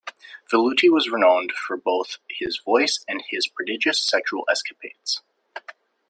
Velluti was renowned for both his voice and his prodigious sexual escapades.